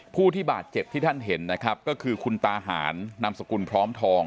ผู้ที่บาดเจ็บที่ท่านเห็นนะครับก็คือคุณตาหารนามสกุลพร้อมทอง